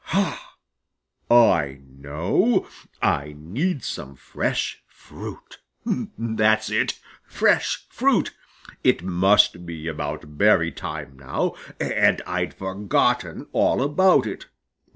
Ha! I know! I need some fresh fruit. That's it fresh fruit! It must be about berry time now, and I'd forgotten all about it.